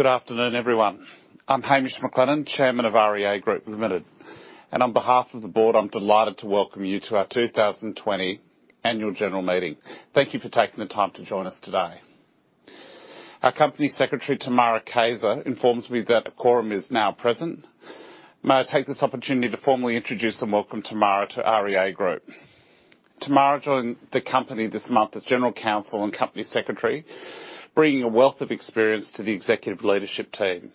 Good afternoon, everyone. I'm Hamish McLennan, Chairman of REA Group, Alice Bennett, and on behalf of the Board, I'm delighted to welcome you to our 2020 Annual General Meeting. Thank you for taking the time to join us today. Our Company Secretary, Tamara Kayser, informs me that a quorum is now present. May I take this opportunity to formally introduce and welcome Tamara to REA Group. Tamara joined the Company this month as General Counsel and Company Secretary, bringing a wealth of experience to the executive leadership team.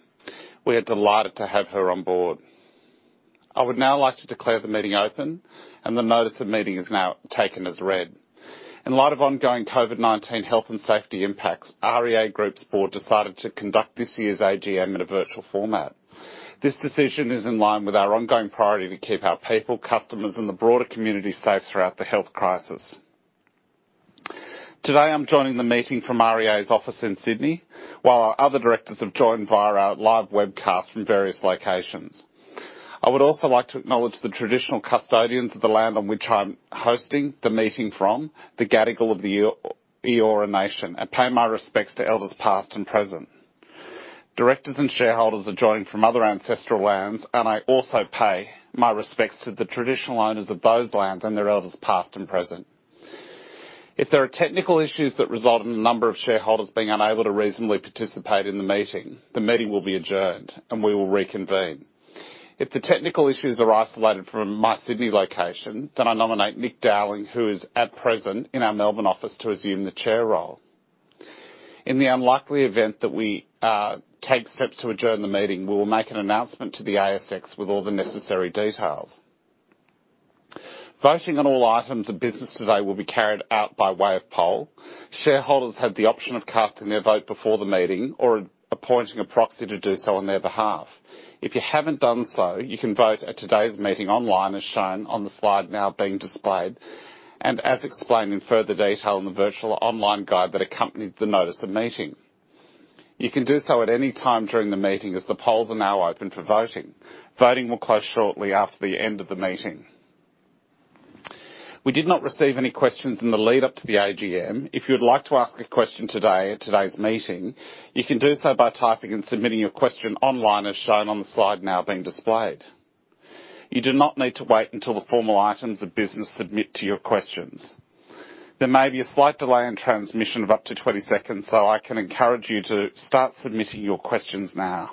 We are delighted to have her on board. I would now like to declare the meeting open, and the notice of meeting is now taken as read. In light of ongoing COVID-19 health and safety impacts, REA Group's Board decided to conduct this year's AGM in a virtual format. This decision is in line with our ongoing priority to keep our people, customers, and the broader community safe throughout the health crisis. Today, I'm joining the meeting from REA's office in Sydney, while our other directors have joined via our live webcast from various locations. I would also like to acknowledge the traditional custodians of the land on which I'm hosting the meeting from, the Gadigal of the Eora Nation, and pay my respects to Elders past and present. Directors and shareholders are joining from other ancestral lands, and I also pay my respects to the traditional owners of those lands and their Elders past and present. If there are technical issues that result in a number of shareholders being unable to reasonably participate in the meeting, the meeting will be adjourned, and we will reconvene. If the technical issues are isolated from my Sydney location, then I nominate Nick Dowling, who is at present in our Melbourne office, to assume the chair role. In the unlikely event that we take steps to adjourn the meeting, we will make an announcement to the ASX with all the necessary details. Voting on all items of business today will be carried out by way of poll. Shareholders have the option of casting their vote before the meeting or appointing a proxy to do so on their behalf. If you have not done so, you can vote at today's meeting online, as shown on the slide now being displayed and as explained in further detail in the virtual online guide that accompanied the notice of meeting. You can do so at any time during the meeting, as the polls are now open for voting. Voting will close shortly after the end of the meeting. We did not receive any questions in the lead-up to the AGM. If you would like to ask a question today at today's meeting, you can do so by typing and submitting your question online, as shown on the slide now being displayed. You do not need to wait until the formal items of business to submit your questions. There may be a slight delay in transmission of up to 20 seconds, so I can encourage you to start submitting your questions now.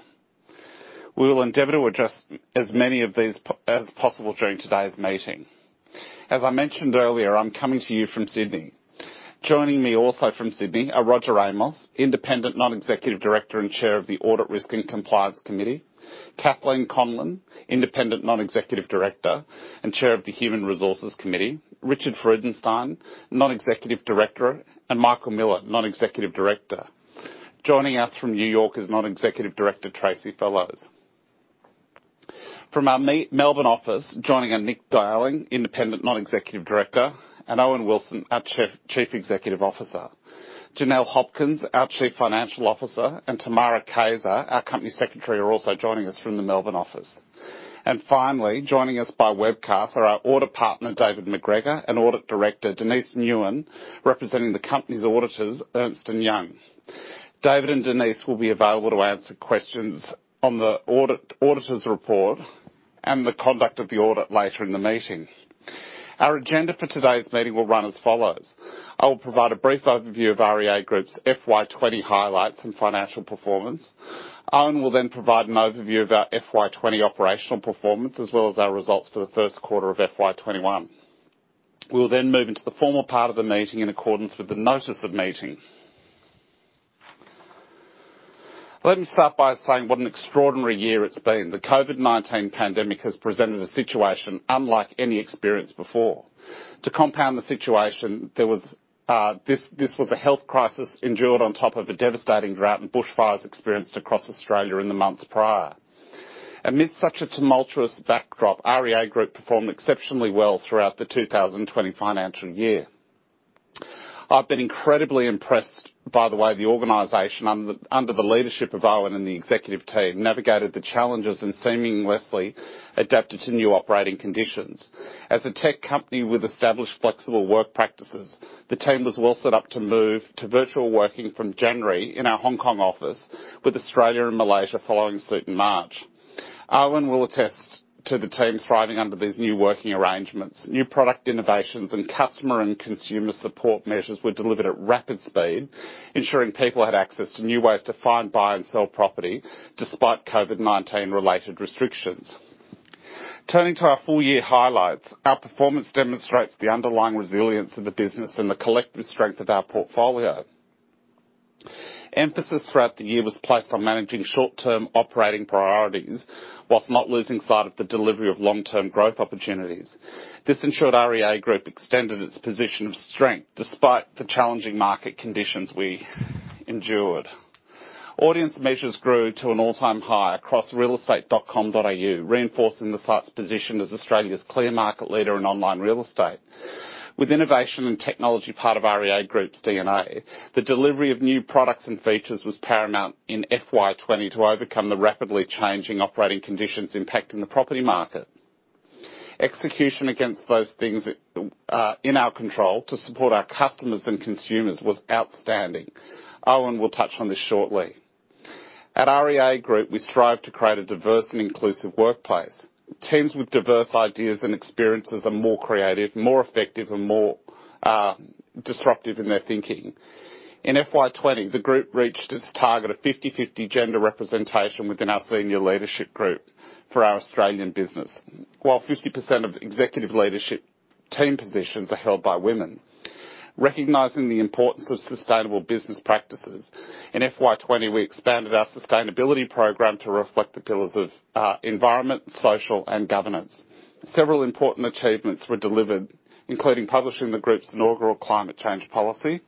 We will endeavor to address as many of these as possible during today's meeting. As I mentioned earlier, I'm coming to you from Sydney. Joining me also from Sydney are Roger Amos, Independent Non-Executive Director and Chair of the Audit Risk and Compliance Committee, Kathleen Conlan, Independent Non-Executive Director and Chair of the Human Resources Committee, Richard Freudenstein, Non-Executive Director, and Michael Miller, Non-Executive Director. Joining us from New York is Non-Executive Director Tracy Fellows. From our Melbourne office, joining are Nick Dowling, Independent Non-Executive Director, and Owen Wilson, our Chief Executive Officer. Janelle Hopkins, our Chief Financial Officer, and Tamara Kayser, our Company Secretary, are also joining us from the Melbourne office. Finally, joining us by webcast are our Audit Partner, David McGregor, and Audit Director, Denise Nguyen, representing the Company's auditors, Ernst & Young. David and Denise will be available to answer questions on the auditors' report and the conduct of the audit later in the meeting. Our agenda for today's meeting will run as follows. I will provide a brief overview of REA Group's FY 2020 highlights and financial performance. Owen will then provide an overview of our FY 2020 operational performance, as well as our results for the first quarter of FY 2021. We'll then move into the formal part of the meeting in accordance with the notice of meeting. Let me start by saying what an extraordinary year it's been. The COVID-19 pandemic has presented a situation unlike any experienced before. To compound the situation, this was a health crisis endured on top of a devastating drought and bushfires experienced across Australia in the months prior. Amidst such a tumultuous backdrop, REA Group performed exceptionally well throughout the 2020 financial year. I've been incredibly impressed by the way the organization, under the leadership of Owen and the executive team, navigated the challenges and seamlessly adapted to new operating conditions. As a tech company with established flexible work practices, the team was well set up to move to virtual working from January in our Hong Kong office with Australia and Malaysia following suit in March. Owen will attest to the team thriving under these new working arrangements. New product innovations and customer and consumer support measures were delivered at rapid speed, ensuring people had access to new ways to find, buy, and sell property despite COVID-19-related restrictions. Turning to our full-year highlights, our performance demonstrates the underlying resilience of the business and the collective strength of our portfolio. Emphasis throughout the year was placed on managing short-term operating priorities whilst not losing sight of the delivery of long-term growth opportunities. This ensured REA Group extended its position of strength despite the challenging market conditions we endured. Audience measures grew to an all-time high across realestate.com.au, reinforcing the site's position as Australia's clear market leader in online real estate. With innovation and technology part of REA Group's DNA, the delivery of new products and features was paramount in FY 2020 to overcome the rapidly changing operating conditions impacting the property market. Execution against those things in our control to support our customers and consumers was outstanding. Owen will touch on this shortly. At REA Group, we strive to create a diverse and inclusive workplace. Teams with diverse ideas and experiences are more creative, more effective, and more disruptive in their thinking. In FY 2020, the Group reached its target of 50/50 gender representation within our senior leadership group for our Australian business, while 50% of executive leadership team positions are held by women. Recognizing the importance of sustainable business practices, in FY 2020 we expanded our sustainability program to reflect the pillars of environment, social, and governance. Several important achievements were delivered, including publishing the Group's inaugural climate change policy,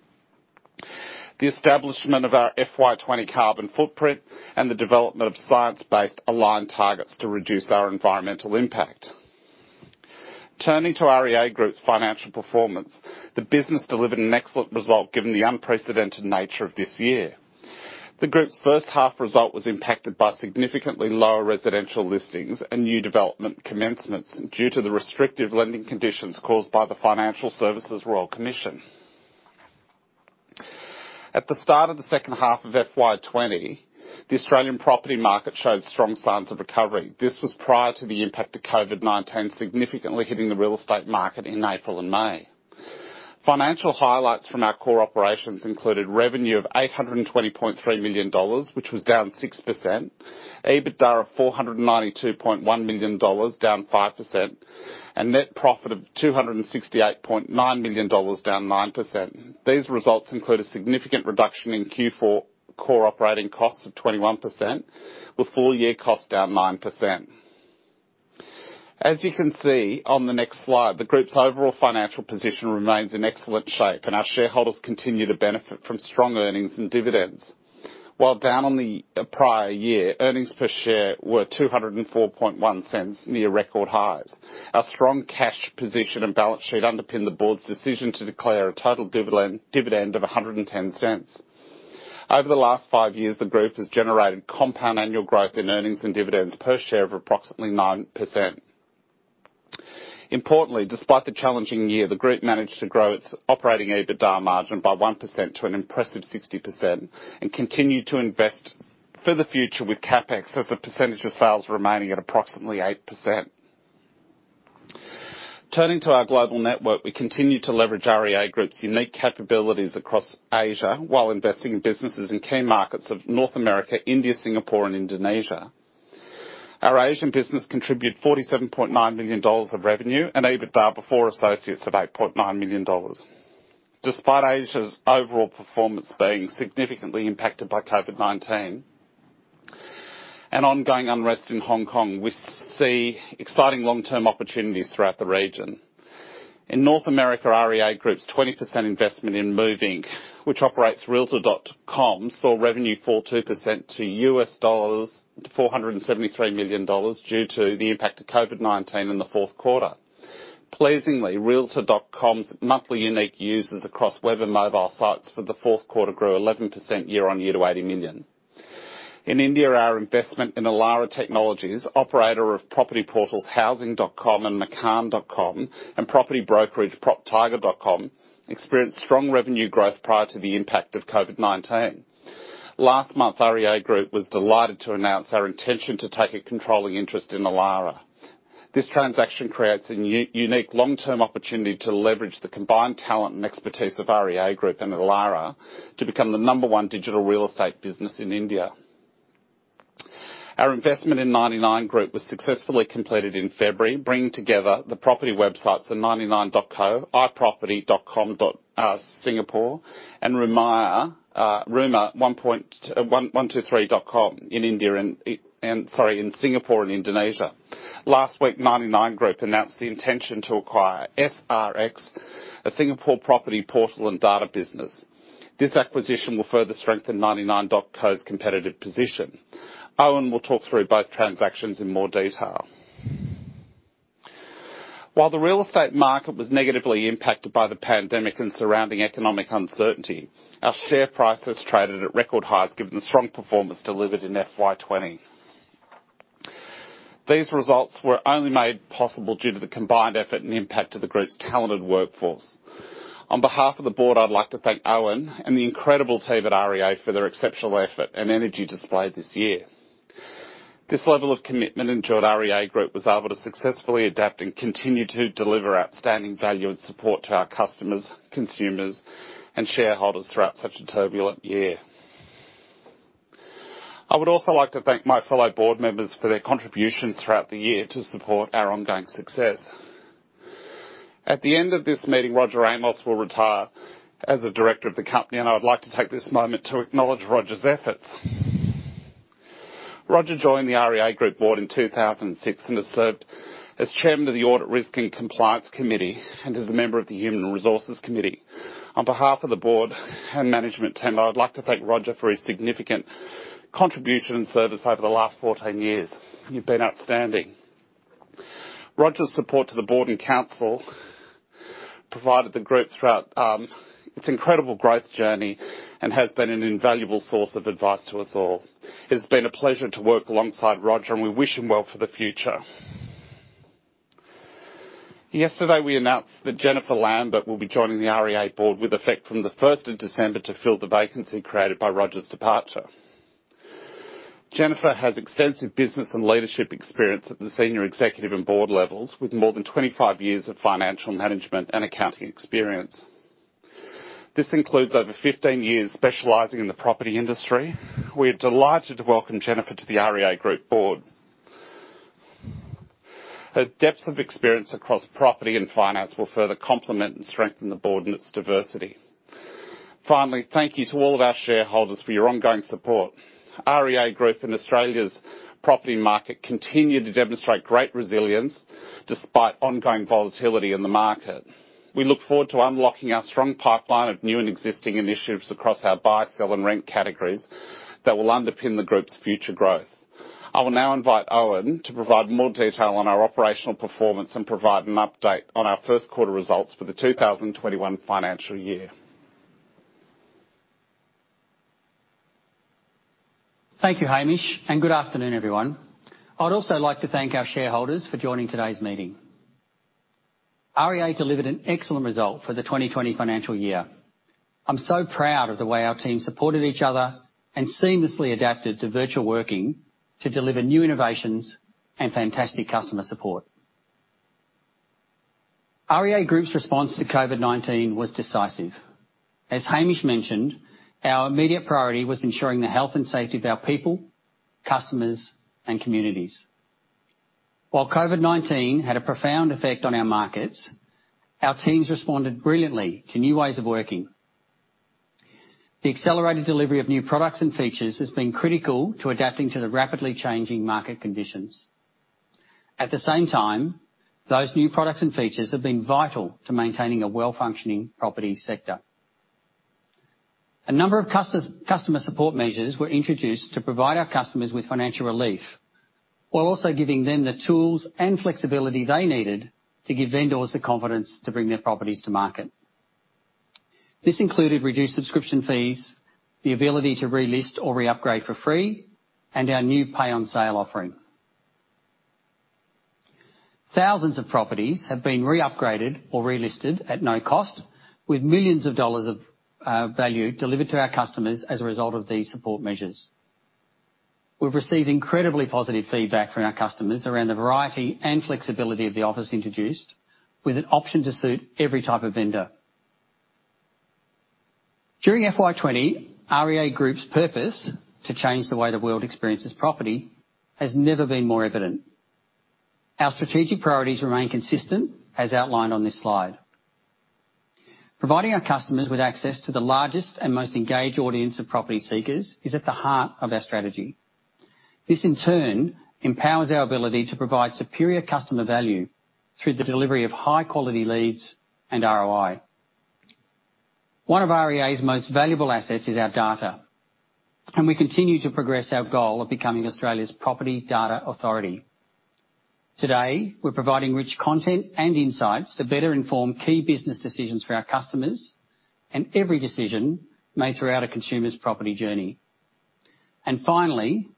the establishment of our FY 2020 carbon footprint, and the development of science-based aligned targets to reduce our environmental impact. Turning to REA Group's financial performance, the business delivered an excellent result given the unprecedented nature of this year. The Group's first half result was impacted by significantly lower residential listings and new development commencements due to the restrictive lending conditions caused by the Financial Services Royal Commission. At the start of the second half of FY 2020, the Australian property market showed strong signs of recovery. This was prior to the impact of COVID-19 significantly hitting the real estate market in April and May. Financial highlights from our core operations included revenue of 820.3 million dollars, which was down 6%, EBITDA of 492.1 million dollars, down 5%, and net profit of 268.9 million dollars, down 9%. These results include a significant reduction in Q4 core operating costs of 21%, with full-year costs down 9%. As you can see on the next slide, the Group's overall financial position remains in excellent shape, and our shareholders continue to benefit from strong earnings and dividends. While down on the prior year, earnings per share were 204.1, near record highs. Our strong cash position and balance sheet underpin the Board's decision to declare a total dividend of 0.10. Over the last five years, the Group has generated compound annual growth in earnings and dividends per share of approximately 9%. Importantly, despite the challenging year, the Group managed to grow its operating EBITDA margin by 1% to an impressive 60% and continue to invest for the future with CapEx as a percentage of sales remaining at approximately 8%. Turning to our global network, we continue to leverage REA Group's unique capabilities across Asia while investing in businesses in key markets of North America, India, Singapore, and Indonesia. Our Asian business contributed 47.9 million dollars of revenue and EBITDA before associates of 8.9 million dollars. Despite Asia's overall performance being significantly impacted by COVID-19 and ongoing unrest in Hong Kong, we see exciting long-term opportunities throughout the region. In North America, REA Group's 20% investment in Move, which operates Realtor.com, saw revenue fall 2% to $473 million due to the impact of COVID-19 in the fourth quarter. Pleasingly, Realtor.com's monthly unique users across web and mobile sites for the fourth quarter grew 11% year-on-year to $80 million. In India, our investment in Elara Technologies, operator of property portals Housing.com and Makaan.com, and property brokerage PropTiger.com, experienced strong revenue growth prior to the impact of COVID-19. Last month, REA Group was delighted to announce our intention to take a controlling interest in Elara. This transaction creates a unique long-term opportunity to leverage the combined talent and expertise of REA Group and Elara to become the number one digital real estate business in India. Our investment in 99 Group was successfully completed in February, bringing together the property websites of 99.co, iProperty.com.sg, and Rumah123.com in Singapore and Indonesia. Last week, 99 Group announced the intention to acquire SRX, a Singapore property portal and data business. This acquisition will further strengthen 99.co's competitive position. Owen will talk through both transactions in more detail. While the real estate market was negatively impacted by the pandemic and surrounding economic uncertainty, our share prices traded at record highs given the strong performance delivered in FY 2020. These results were only made possible due to the combined effort and impact of the Group's talented workforce. On behalf of the Board, I'd like to thank Owen and the incredible team at REA for their exceptional effort and energy displayed this year. This level of commitment ensured REA Group was able to successfully adapt and continue to deliver outstanding value and support to our customers, consumers, and shareholders throughout such a turbulent year. I would also like to thank my fellow Board members for their contributions throughout the year to support our ongoing success. At the end of this meeting, Roger Amos will retire as a director of the company, and I would like to take this moment to acknowledge Roger's efforts. Roger joined the REA Group Board in 2006 and has served as Chairman of the Audit Risk and Compliance Committee and as a member of the Human Resources Committee. On behalf of the Board and management team, I'd like to thank Roger for his significant contribution and service over the last 14 years. You've been outstanding. Roger's support to the Board and Council provided the Group throughout its incredible growth journey and has been an invaluable source of advice to us all. It has been a pleasure to work alongside Roger, and we wish him well for the future. Yesterday, we announced that Jennifer Lambert will be joining the REA Board with effect from the 1st of December to fill the vacancy created by Roger's departure. Jennifer has extensive business and leadership experience at the senior executive and board levels, with more than 25 years of financial management and accounting experience. This includes over 15 years specializing in the property industry. We are delighted to welcome Jennifer to the REA Group Board. Her depth of experience across property and finance will further complement and strengthen the Board and its diversity. Finally, thank you to all of our shareholders for your ongoing support. REA Group and Australia's property market continue to demonstrate great resilience despite ongoing volatility in the market. We look forward to unlocking our strong pipeline of new and existing initiatives across our buy, sell, and rent categories that will underpin the Group's future growth. I will now invite Owen to provide more detail on our operational performance and provide an update on our first quarter results for the 2021 financial year. Thank you, Hamish, and good afternoon, everyone. I'd also like to thank our shareholders for joining today's meeting. REA delivered an excellent result for the 2020 financial year. I'm so proud of the way our team supported each other and seamlessly adapted to virtual working to deliver new innovations and fantastic customer support. REA Group's response to COVID-19 was decisive. As Hamish mentioned, our immediate priority was ensuring the health and safety of our people, customers, and communities. While COVID-19 had a profound effect on our markets, our teams responded brilliantly to new ways of working. The accelerated delivery of new products and features has been critical to adapting to the rapidly changing market conditions. At the same time, those new products and features have been vital to maintaining a well-functioning property sector. A number of customer support measures were introduced to provide our customers with financial relief while also giving them the tools and flexibility they needed to give vendors the confidence to bring their properties to market. This included reduced subscription fees, the ability to relist or re-upgrade for free, and our new pay-on-sale offering. Thousands of properties have been re-upgraded or relisted at no cost, with millions of dollars of value delivered to our customers as a result of these support measures. We've received incredibly positive feedback from our customers around the variety and flexibility of the offers introduced, with an option to suit every type of vendor. During FY 2020, REA Group's purpose to change the way the world experiences property has never been more evident. Our strategic priorities remain consistent, as outlined on this slide. Providing our customers with access to the largest and most engaged audience of property seekers is at the heart of our strategy. This, in turn, empowers our ability to provide superior customer value through the delivery of high-quality leads and ROI. One of REA's most valuable assets is our data, and we continue to progress our goal of becoming Australia's property data authority. Today, we're providing rich content and insights to better inform key business decisions for our customers and every decision made throughout a consumer's property journey. Finally,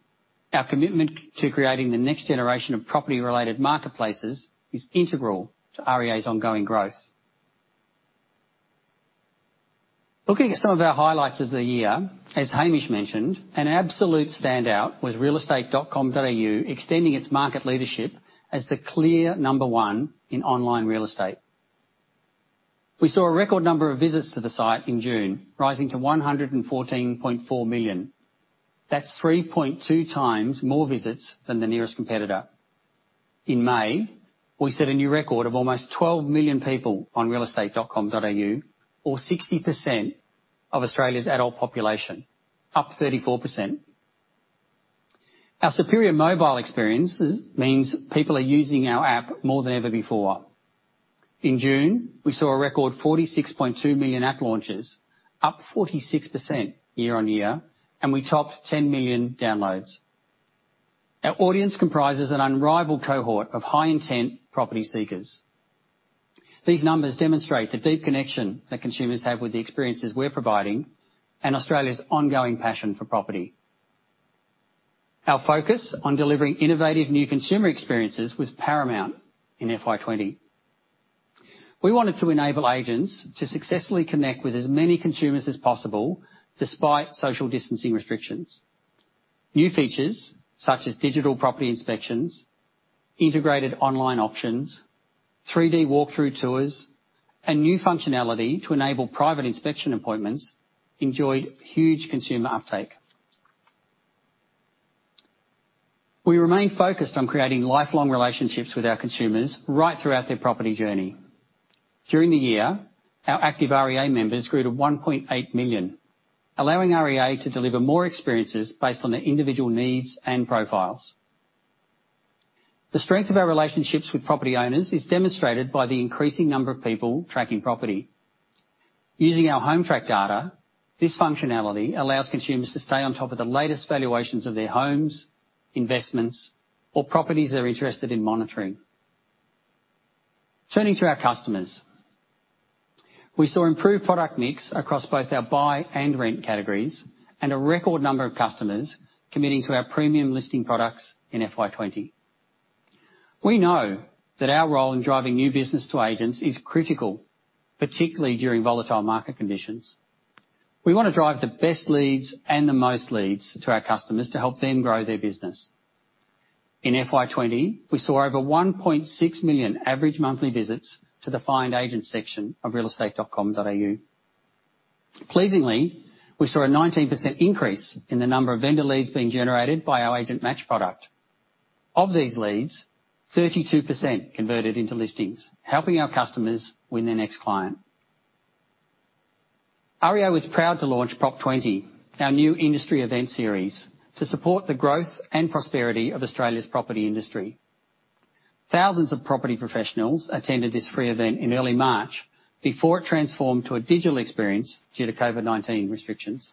our commitment to creating the next generation of property-related marketplaces is integral to REA's ongoing growth. Looking at some of our highlights of the year, as Hamish mentioned, an absolute standout was realestate.com.au, extending its market leadership as the clear number one in online real estate. We saw a record number of visits to the site in June, rising to 114.4 million. That's 3.2 times more visits than the nearest competitor. In May, we set a new record of almost 12 million people on realestate.com.au, or 60% of Australia's adult population, up 34%. Our superior mobile experience means people are using our app more than ever before. In June, we saw a record 46.2 million app launches, up 46% year-on-year, and we topped 10 million downloads. Our audience comprises an unrivaled cohort of high-intent property seekers. These numbers demonstrate the deep connection that consumers have with the experiences we're providing and Australia's ongoing passion for property. Our focus on delivering innovative new consumer experiences was paramount in FY 2020. We wanted to enable agents to successfully connect with as many consumers as possible despite social distancing restrictions. New features such as digital property inspections, integrated online options, 3D walkthrough tours, and new functionality to enable private inspection appointments enjoyed huge consumer uptake. We remain focused on creating lifelong relationships with our consumers right throughout their property journey. During the year, our active REA members grew to 1.8 million, allowing REA to deliver more experiences based on their individual needs and profiles. The strength of our relationships with property owners is demonstrated by the increasing number of people tracking property. Using our Hometrack data, this functionality allows consumers to stay on top of the latest valuations of their homes, investments, or properties they're interested in monitoring. Turning to our customers, we saw improved product mix across both our buy and rent categories and a record number of customers committing to our premium listing products in FY 2020. We know that our role in driving new business to agents is critical, particularly during volatile market conditions. We want to drive the best leads and the most leads to our customers to help them grow their business. In FY 2020, we saw over 1.6 million average monthly visits to the find agent section of realestate.com.au. Pleasingly, we saw a 19% increase in the number of vendor leads being generated by our agent match product. Of these leads, 32% converted into listings, helping our customers win their next client. REA was proud to launch Prop20, our new industry event series, to support the growth and prosperity of Australia's property industry. Thousands of property professionals attended this free event in early March before it transformed to a digital experience due to COVID-19 restrictions.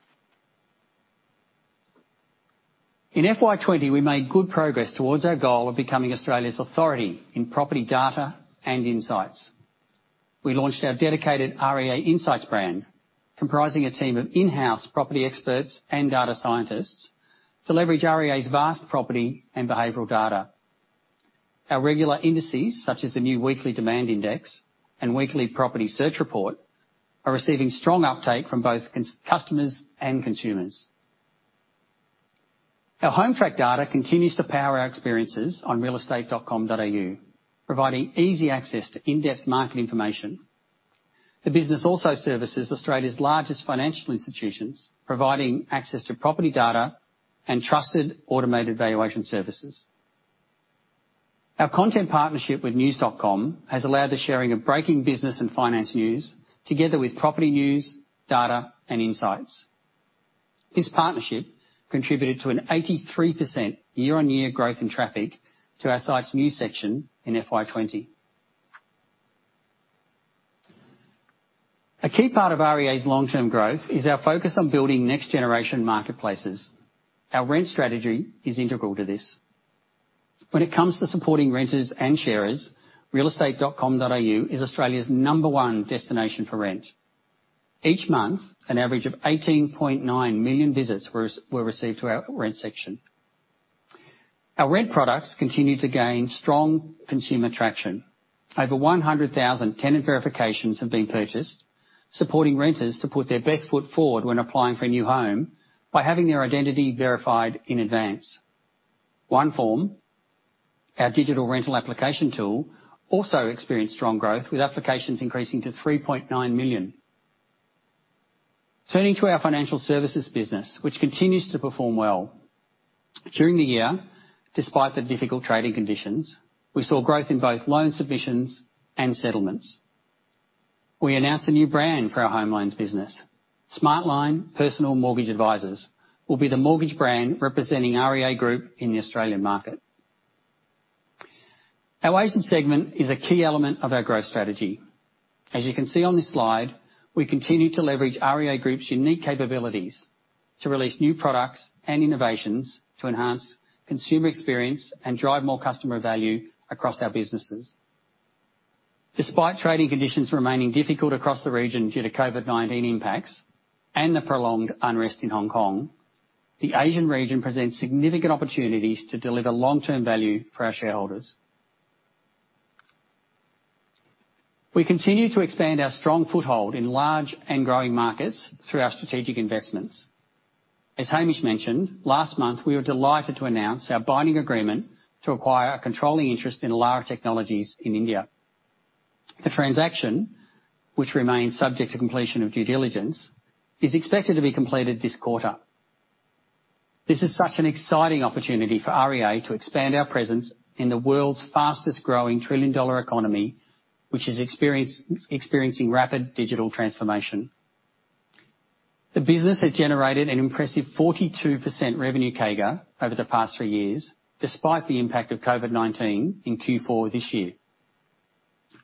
In FY 2020, we made good progress towards our goal of becoming Australia's authority in property data and insights. We launched our dedicated REA Insights brand, comprising a team of in-house property experts and data scientists, to leverage REA's vast property and behavioral data. Our regular indices, such as the new Weekly Demand Index and Weekly Property Search Report, are receiving strong uptake from both customers and consumers. Our HomeTrack data continues to power our experiences on realestate.com.au, providing easy access to in-depth market information. The business also services Australia's largest financial institutions, providing access to property data and trusted automated valuation services. Our content partnership with News.com has allowed the sharing of breaking business and finance news together with property news, data, and insights. This partnership contributed to an 83% year-on-year growth in traffic to our site's news section in FY 2020. A key part of REA's long-term growth is our focus on building next-generation marketplaces. Our rent strategy is integral to this. When it comes to supporting renters and sharers, realestate.com.au is Australia's number one destination for rent. Each month, an average of 18.9 million visits were received to our rent section. Our rent products continue to gain strong consumer traction. Over 100,000 tenant verifications have been purchased, supporting renters to put their best foot forward when applying for a new home by having their identity verified in advance. OneForm, our digital rental application tool, also experienced strong growth, with applications increasing to 3.9 million. Turning to our financial services business, which continues to perform well. During the year, despite the difficult trading conditions, we saw growth in both loan submissions and settlements. We announced a new brand for our home loans business, Smartline Personal Mortgage Advisors, which will be the mortgage brand representing REA Group in the Australian market. Our agent segment is a key element of our growth strategy. As you can see on this slide, we continue to leverage REA Group's unique capabilities to release new products and innovations to enhance consumer experience and drive more customer value across our businesses. Despite trading conditions remaining difficult across the region due to COVID-19 impacts and the prolonged unrest in Hong Kong, the Asian region presents significant opportunities to deliver long-term value for our shareholders. We continue to expand our strong foothold in large and growing markets through our strategic investments. As Hamish mentioned, last month, we were delighted to announce our binding agreement to acquire a controlling interest in Elara Technologies in India. The transaction, which remains subject to completion of due diligence, is expected to be completed this quarter. This is such an exciting opportunity for REA to expand our presence in the world's fastest-growing trillion-dollar economy, which is experiencing rapid digital transformation. The business has generated an impressive 42% revenue CAGR over the past three years, despite the impact of COVID-19 in Q4 this year.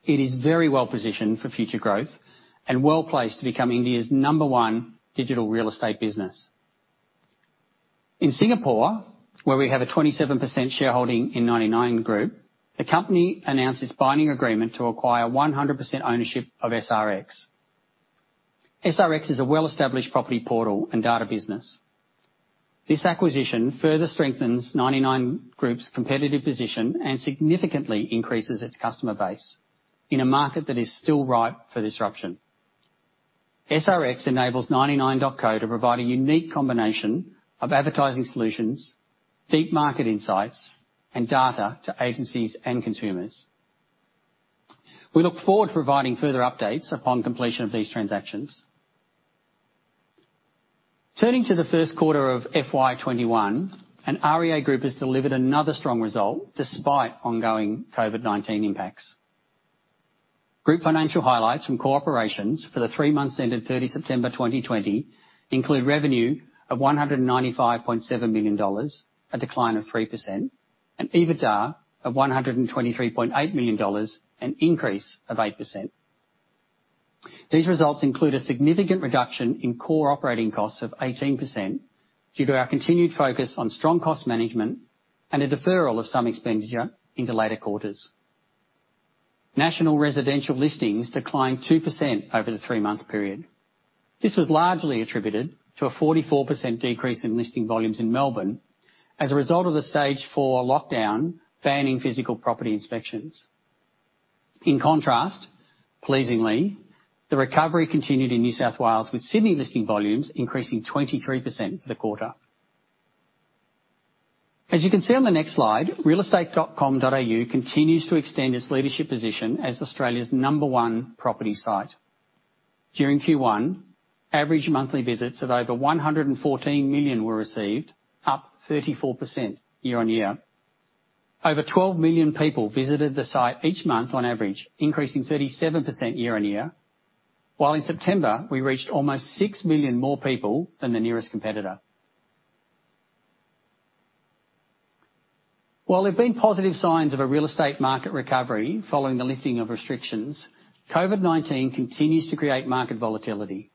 It is very well positioned for future growth and well placed to become India's number one digital real estate business. In Singapore, where we have a 27% shareholding in 99 Group, the company announced its binding agreement to acquire 100% ownership of SRX. SRX is a well-established property portal and data business. This acquisition further strengthens 99 Group's competitive position and significantly increases its customer base in a market that is still ripe for disruption. SRX enables 99.co to provide a unique combination of advertising solutions, deep market insights, and data to agencies and consumers. We look forward to providing further updates upon completion of these transactions. Turning to the first quarter of FY 2021, REA Group has delivered another strong result despite ongoing COVID-19 impacts. Group financial highlights from core operations for the three months ended 30 September 2020 include revenue of 195.7 million dollars, a decline of 3%, and EBITDA of 123.8 million dollars, an increase of 8%. These results include a significant reduction in core operating costs of 18% due to our continued focus on strong cost management and a deferral of some expenditure into later quarters. National residential listings declined 2% over the three-month period. This was largely attributed to a 44% decrease in listing volumes in Melbourne as a result of the stage four lockdown banning physical property inspections. In contrast, pleasingly, the recovery continued in New South Wales, with Sydney listing volumes increasing 23% for the quarter. As you can see on the next slide, realestate.com.au continues to extend its leadership position as Australia's number one property site. During Q1, average monthly visits of over 114 million were received, up 34% year-on-year. Over 12 million people visited the site each month on average, increasing 37% year-on-year, while in September, we reached almost 6 million more people than the nearest competitor. While there have been positive signs of a real estate market recovery following the lifting of restrictions, COVID-19 continues to create market volatility.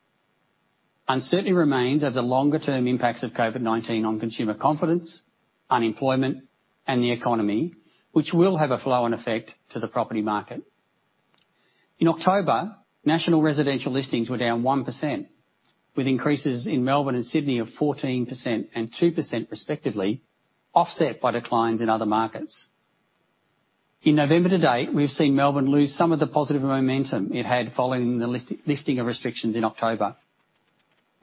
Uncertainty remains over the longer-term impacts of COVID-19 on consumer confidence, unemployment, and the economy, which will have a flow-on effect to the property market. In October, national residential listings were down 1%, with increases in Melbourne and Sydney of 14% and 2% respectively, offset by declines in other markets. In November to date, we have seen Melbourne lose some of the positive momentum it had following the lifting of restrictions in October.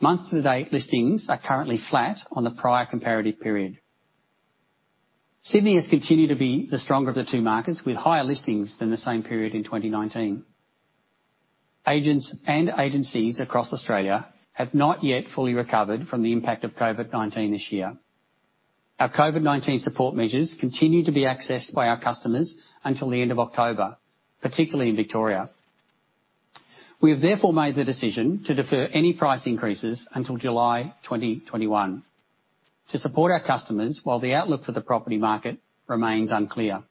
Month-to-date listings are currently flat on the prior comparative period. Sydney has continued to be the stronger of the two markets, with higher listings than the same period in 2019. Agents and agencies across Australia have not yet fully recovered from the impact of COVID-19 this year. Our COVID-19 support measures continue to be accessed by our customers until the end of October, particularly in Victoria. We have therefore made the decision to defer any price increases until July 2021 to support our customers while the outlook for the property market remains unclear.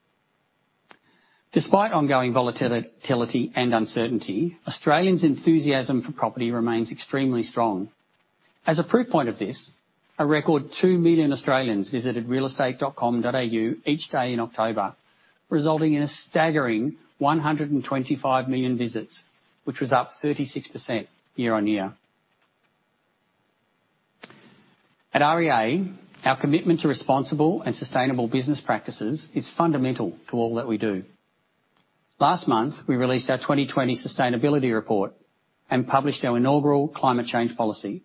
Despite ongoing volatility and uncertainty, Australians' enthusiasm for property remains extremely strong. As a proof point of this, a record 2 million Australians visited realestate.com.au each day in October, resulting in a staggering 125 million visits, which was up 36% year-on-year. At REA, our commitment to responsible and sustainable business practices is fundamental to all that we do. Last month, we released our 2020 Sustainability Report and published our inaugural climate change policy.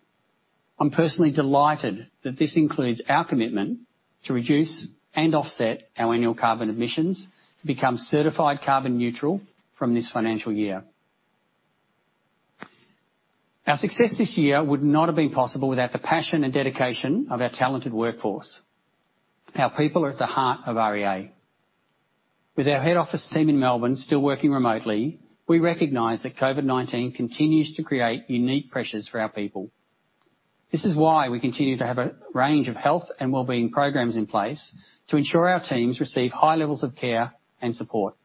I'm personally delighted that this includes our commitment to reduce and offset our annual carbon emissions to become certified carbon neutral from this financial year. Our success this year would not have been possible without the passion and dedication of our talented workforce. Our people are at the heart of REA. With our head office team in Melbourne still working remotely, we recognize that COVID-19 continues to create unique pressures for our people. This is why we continue to have a range of health and well-being programs in place to ensure our teams receive high levels of care and support.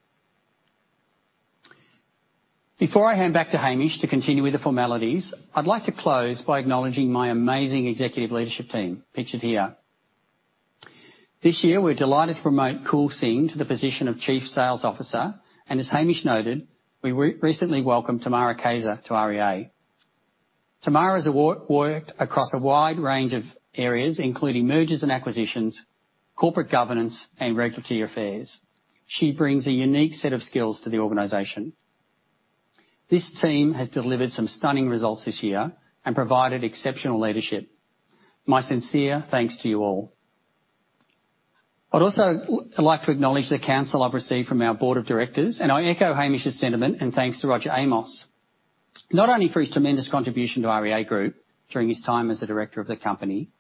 Before I hand back to Hamish to continue with the formalities, I'd like to close by acknowledging my amazing executive leadership team pictured here. This year, we're delighted to promote Kool Singh to the position of Chief Sales Officer, and as Hamish noted, we recently welcomed Tamara Kayser to REA. Tamara has worked across a wide range of areas, including mergers and acquisitions, corporate governance, and regulatory affairs. She brings a unique set of skills to the organization. This team has delivered some stunning results this year and provided exceptional leadership. My sincere thanks to you all. I'd also like to acknowledge the counsel I've received from our board of directors, and I echo Hamish's sentiment and thanks to Roger Amos, not only for his tremendous contribution to REA Group during his time as a director of the company,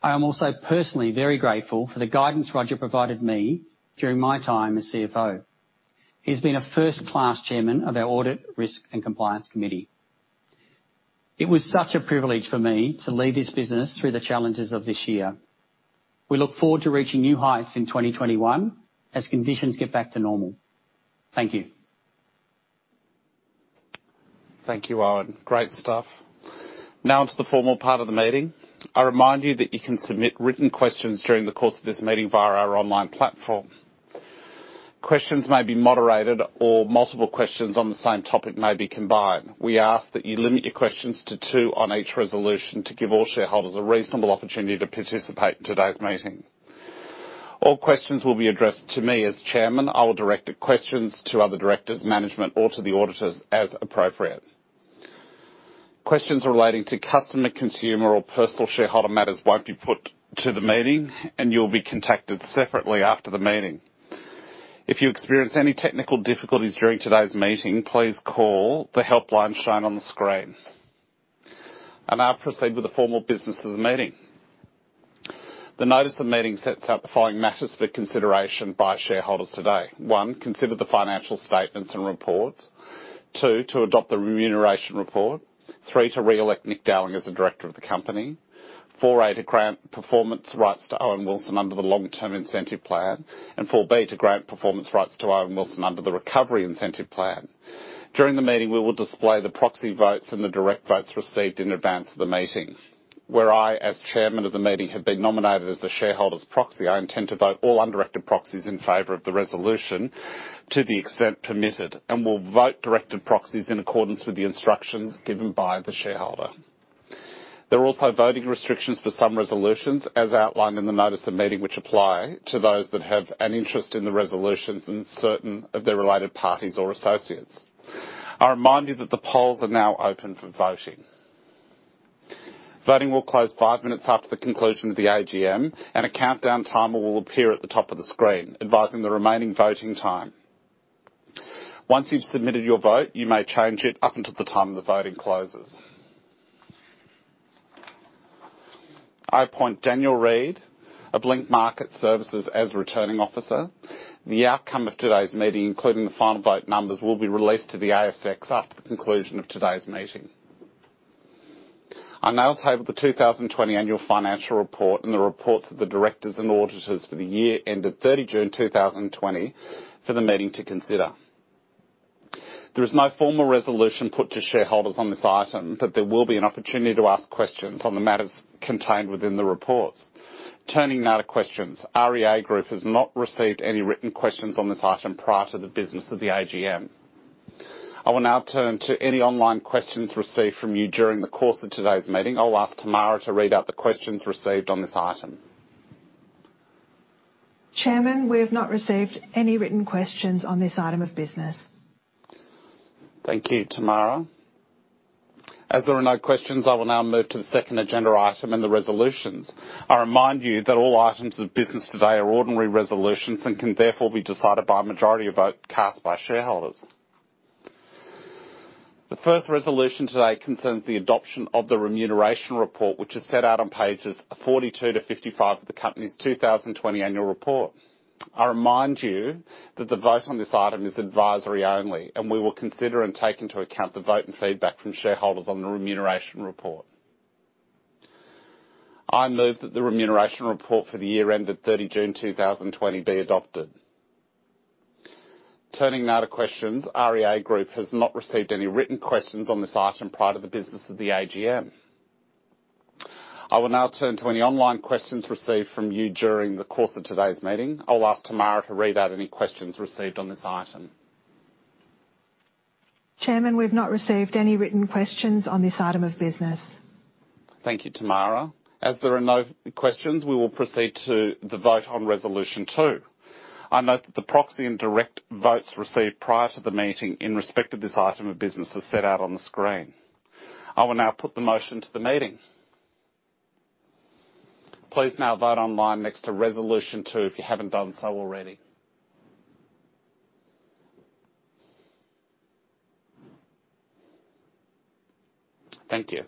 I am also personally very grateful for the guidance Roger provided me during my time as CFO. He has been a first-class chairman of our Audit, Risk, and Compliance Committee. It was such a privilege for me to lead this business through the challenges of this year. We look forward to reaching new heights in 2021 as conditions get back to normal. Thank you. Thank you, Owen. Great stuff. Now, to the formal part of the meeting. I remind you that you can submit written questions during the course of this meeting via our online platform. Questions may be moderated, or multiple questions on the same topic may be combined. We ask that you limit your questions to two on each resolution to give all shareholders a reasonable opportunity to participate in today's meeting. All questions will be addressed to me as Chairman. I will direct the questions to other directors, management, or to the auditors as appropriate. Questions relating to customer, consumer, or personal shareholder matters will not be put to the meeting, and you will be contacted separately after the meeting. If you experience any technical difficulties during today's meeting, please call the helpline shown on the screen. I will proceed with the formal business of the meeting. The notice of meeting sets out the following matters for consideration by shareholders today. One, consider the financial statements and report. Two, to adopt the remuneration report. Three, to reelect Nick Dowling as a director of the company. Four, A, to grant performance rights to Owen Wilson under the long-term incentive plan. Four, B, to grant performance rights to Owen Wilson under the recovery incentive plan. During the meeting, we will display the proxy votes and the direct votes received in advance of the meeting. Where I, as Chairman of the meeting, have been nominated as the shareholder's proxy, I intend to vote all undirected proxies in favor of the resolution to the extent permitted and will vote directed proxies in accordance with the instructions given by the shareholder. There are also voting restrictions for some resolutions, as outlined in the notice of meeting, which apply to those that have an interest in the resolutions and certain of their related parties or associates. I remind you that the polls are now open for voting. Voting will close five minutes after the conclusion of the AGM, and a countdown timer will appear at the top of the screen advising the remaining voting time. Once you've submitted your vote, you may change it up until the time the voting closes. I appoint Daniel Reed of Link Market Services as Returning Officer. The outcome of today's meeting, including the final vote numbers, will be released to the ASX after the conclusion of today's meeting. I now table the 2020 annual financial report and the reports of the directors and auditors for the year ended 30 June 2020 for the meeting to consider. There is no formal resolution put to shareholders on this item, but there will be an opportunity to ask questions on the matters contained within the reports. Turning now to questions, REA Group has not received any written questions on this item prior to the business of the AGM. I will now turn to any online questions received from you during the course of today's meeting. I'll ask Tamara to read out the questions received on this item. Chairman, we have not received any written questions on this item of business. Thank you, Tamara. As there are no questions, I will now move to the second agenda item and the resolutions. I remind you that all items of business today are ordinary resolutions and can therefore be decided by a majority vote cast by shareholders. The first resolution today concerns the adoption of the remuneration report, which is set out on pages 42 to 55 of the company's 2020 annual report. I remind you that the vote on this item is advisory only, and we will consider and take into account the vote and feedback from shareholders on the remuneration report. I move that the remuneration report for the year ended 30 June 2020 be adopted. Turning now to questions, REA Group has not received any written questions on this item prior to the business of the AGM. I will now turn to any online questions received from you during the course of today's meeting. I'll ask Tamara to read out any questions received on this item. Chairman, we've not received any written questions on this item of business. Thank you, Tamara. As there are no questions, we will proceed to the vote on resolution two. I note that the proxy and direct votes received prior to the meeting in respect of this item of business are set out on the screen. I will now put the motion to the meeting. Please now vote online next to resolution two if you haven't done so already. Thank you.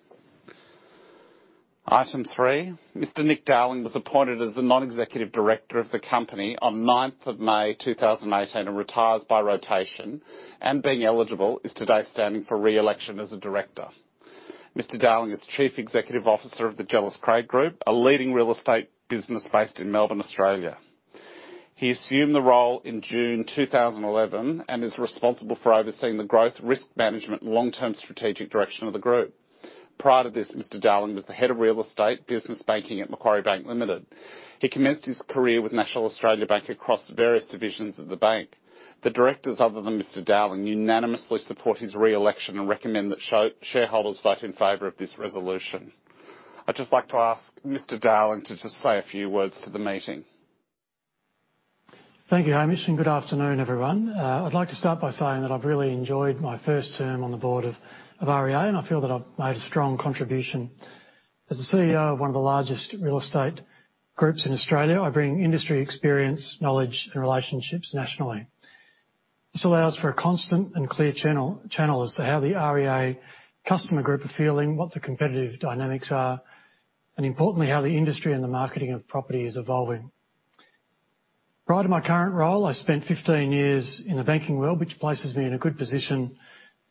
Item three, Mr. Nick Dowling was appointed as the Non-Executive Director of the company on 9th May 2018 and retires by rotation. Being eligible, he is today standing for reelection as a Director. Mr. Dowling is Chief Executive Officer of the Jellis Craig Group, a leading real estate business based in Melbourne, Australia. He assumed the role in June 2011 and is responsible for overseeing the growth, risk management, and long-term strategic direction of the group. Prior to this, Mr. Dowling was the head of real estate business banking at Macquarie Bank Limited. He commenced his career with National Australia Bank across various divisions of the bank. The directors, other than Mr. Dowling, unanimously support his reelection and recommend that shareholders vote in favor of this resolution. I'd just like to ask Mr. Dowling to just say a few words to the meeting. Thank you, Hamish, and good afternoon, everyone. I'd like to start by saying that I've really enjoyed my first term on the board of REA, and I feel that I've made a strong contribution. As the CEO of one of the largest real estate groups in Australia, I bring industry experience, knowledge, and relationships nationally. This allows for a constant and clear channel as to how the REA customer group are feeling, what the competitive dynamics are, and importantly, how the industry and the marketing of property is evolving. Prior to my current role, I spent 15 years in the banking world, which places me in a good position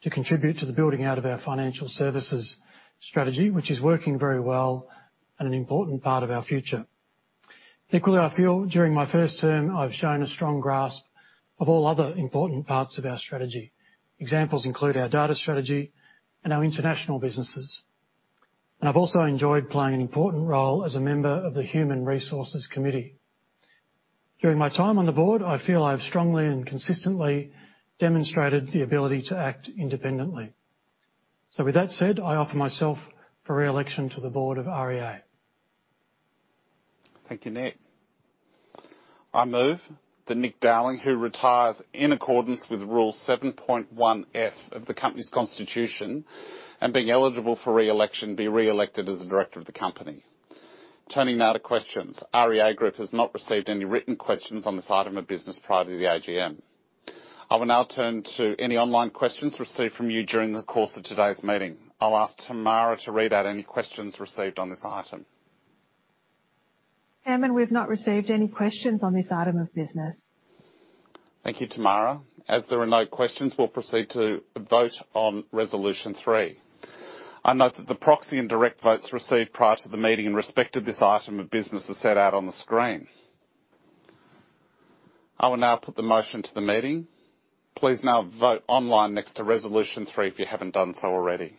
to contribute to the building out of our financial services strategy, which is working very well and an important part of our future. Equally, I feel during my first term, I've shown a strong grasp of all other important parts of our strategy. Examples include our data strategy and our international businesses. I have also enjoyed playing an important role as a member of the Human Resources Committee. During my time on the board, I feel I have strongly and consistently demonstrated the ability to act independently. With that said, I offer myself for reelection to the board of REA. Thank you, Nick. I move that Nick Dowling, who retires in accordance with rule 7.1F of the company's constitution and being eligible for reelection, be reelected as the director of the company. Turning now to questions, REA Group has not received any written questions on this item of business prior to the AGM. I will now turn to any online questions received from you during the course of today's meeting. I'll ask Tamara to read out any questions received on this item. Chairman, we've not received any questions on this item of business. Thank you, Tamara. As there are no questions, we'll proceed to vote on resolution three. I note that the proxy and direct votes received prior to the meeting in respect of this item of business are set out on the screen. I will now put the motion to the meeting. Please now vote online next to resolution three if you haven't done so already.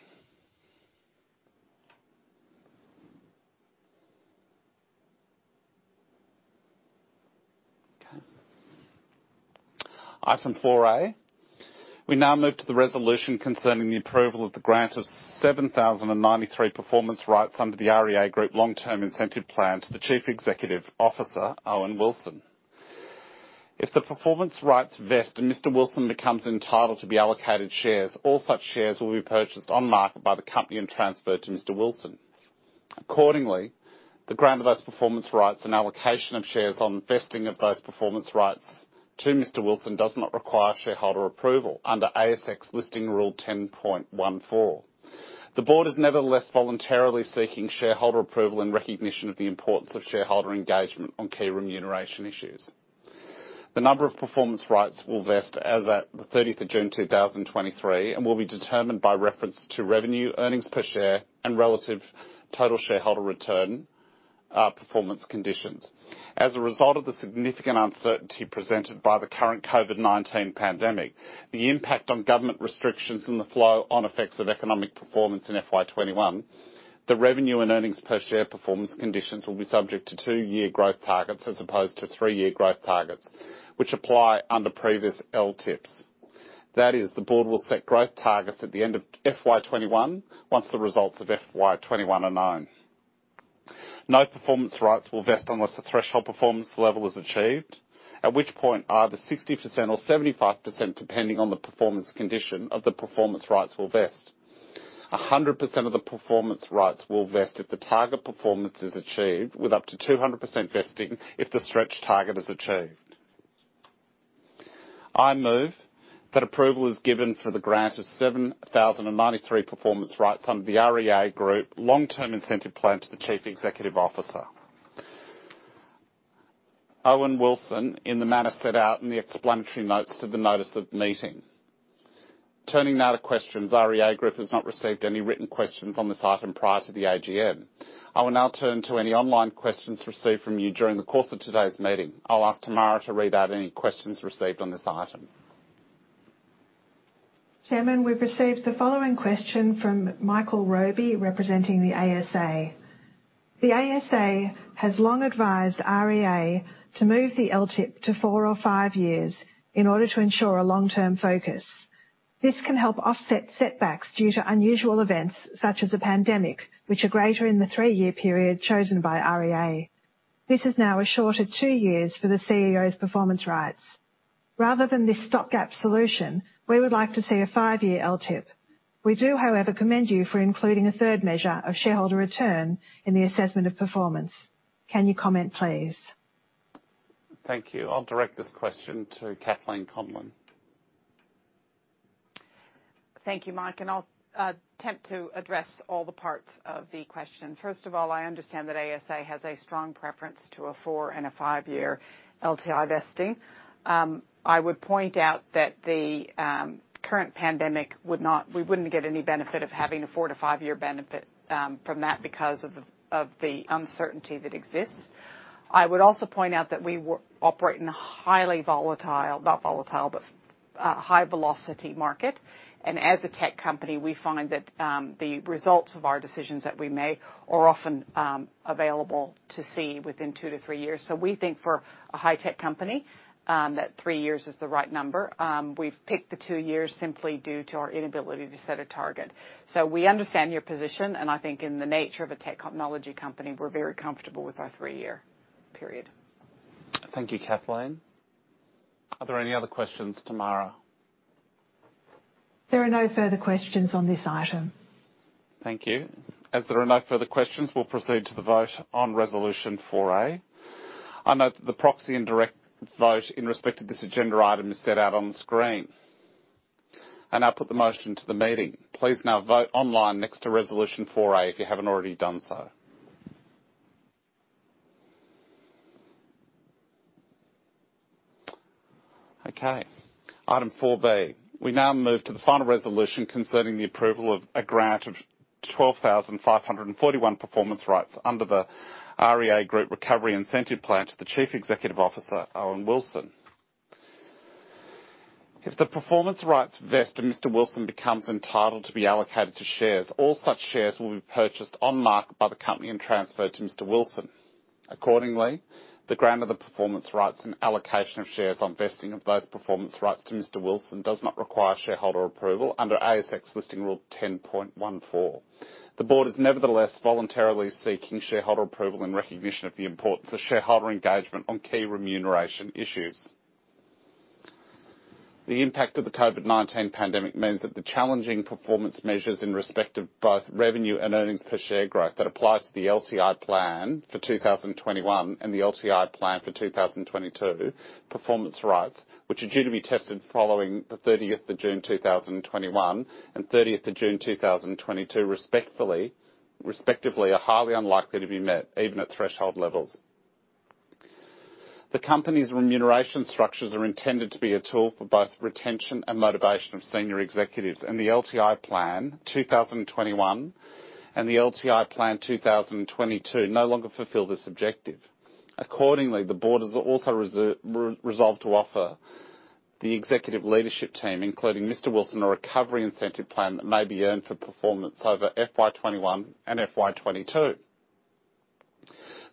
Okay. Item four A, we now move to the resolution concerning the approval of the grant of 7,093 performance rights under the REA Group long-term incentive plan to the Chief Executive Officer, Owen Wilson. If the performance rights vest and Mr. Wilson becomes entitled to be allocated shares, all such shares will be purchased on market by the company and transferred to Mr. Wilson. Accordingly, the grant of those performance rights and allocation of shares on vesting of those performance rights to Mr. Wilson does not require shareholder approval under ASX Listing Rule 10.14. The board is nevertheless voluntarily seeking shareholder approval in recognition of the importance of shareholder engagement on key remuneration issues. The number of performance rights will vest as of the 30th of June 2023 and will be determined by reference to revenue, earnings per share, and relative total shareholder return performance conditions. As a result of the significant uncertainty presented by the current COVID-19 pandemic, the impact on government restrictions and the flow-on effects of economic performance in FY 2021, the revenue and earnings per share performance conditions will be subject to two-year growth targets as opposed to three-year growth targets, which apply under previous LTIPs. That is, the board will set growth targets at the end of FY 2021 once the results of FY 2021 are known. No performance rights will vest unless a threshold performance level is achieved, at which point either 60% or 75%, depending on the performance condition of the performance rights, will vest. 100% of the performance rights will vest if the target performance is achieved, with up to 200% vesting if the stretch target is achieved. I move that approval is given for the grant of 7,093 performance rights under the REA Group long-term incentive plan to the Chief Executive Officer, Owen Wilson, in the matter set out in the explanatory notes to the notice of meeting. Turning now to questions, REA Group has not received any written questions on this item prior to the AGM. I will now turn to any online questions received from you during the course of today's meeting. I'll ask Tamara to read out any questions received on this item. Chairman, we've received the following question from Michael Robie, representing the ASA. The ASA has long advised REA to move the LTIP to four or five years in order to ensure a long-term focus. This can help offset setbacks due to unusual events such as a pandemic, which are greater in the three-year period chosen by REA. This is now a shorter two years for the CEO's performance rights. Rather than this stop-gap solution, we would like to see a five-year LTIP. We do, however, commend you for including a third measure of shareholder return in the assessment of performance. Can you comment, please? Thank you. I'll direct this question to Kathleen Conlan. Thank you, Mike. I will attempt to address all the parts of the question. First of all, I understand that ASA has a strong preference to a four and a five-year LTI vesting. I would point out that the current pandemic would not—we would not get any benefit of having a four to five-year benefit from that because of the uncertainty that exists. I would also point out that we operate in a highly volatile—not volatile, but high-velocity market. As a tech company, we find that the results of our decisions that we make are often available to see within two to three years. We think for a high-tech company that three years is the right number. We have picked the two years simply due to our inability to set a target. We understand your position, and I think in the nature of a technology company, we're very comfortable with our three-year period. Thank you, Kathleen. Are there any other questions, Tamara? There are no further questions on this item. Thank you. As there are no further questions, we'll proceed to the vote on resolution four A. I note that the proxy and direct vote in respect of this agenda item is set out on the screen. I will put the motion to the meeting. Please now vote online next to resolution four A if you have not already done so. Okay. Item four B, we now move to the final resolution concerning the approval of a grant of 12,541 performance rights under the REA Group recovery incentive plan to the Chief Executive Officer, Owen Wilson. If the performance rights vest and Mr. Wilson becomes entitled to be allocated shares, all such shares will be purchased on market by the company and transferred to Mr. Wilson. Accordingly, the grant of the performance rights and allocation of shares on vesting of those performance rights to Mr. Wilson does not require shareholder approval under ASX Listing Rule 10.14. The board is nevertheless voluntarily seeking shareholder approval in recognition of the importance of shareholder engagement on key remuneration issues. The impact of the COVID-19 pandemic means that the challenging performance measures in respect of both revenue and earnings per share growth that apply to the LTI plan for 2021 and the LTI plan for 2022 performance rights, which are due to be tested following the 30th of June 2021 and 30th of June 2022 respectively, are highly unlikely to be met even at threshold levels. The company's remuneration structures are intended to be a tool for both retention and motivation of senior executives, and the LTI plan 2021 and the LTI plan 2022 no longer fulfill this objective. Accordingly, the board has also resolved to offer the executive leadership team, including Mr. Wilson, a recovery incentive plan that may be earned for performance over FY 2021 and FY 2022.